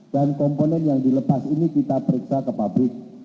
dan komponen yang dilepas ini kita periksa ke pabrik